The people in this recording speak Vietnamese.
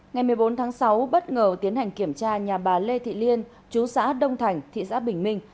ngày một mươi bốn tháng sáu bất ngờ tiến hành kiểm tra nhà bà lê thị liên chú xã đông thành thị xã bình minh